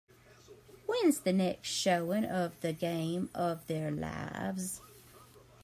Whens the next showing of The Game of Their Lives